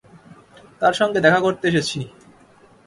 তাঁর সঙ্গে দেখা করতে এসেছি।